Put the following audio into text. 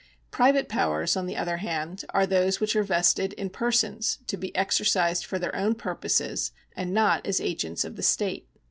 Private powers, on the other hand, are those which are vested in persons to be exercised for their own purposes, and not as agents of the state.